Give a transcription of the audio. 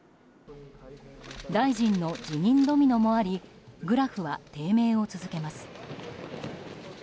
大臣の辞任ドミノもありグラフは低迷を続けます。